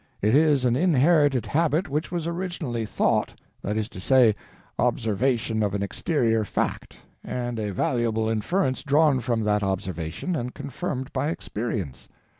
It is an inherited habit which was originally thought—that is to say, observation of an exterior fact, and a valuable inference drawn from that observation and confirmed by experience.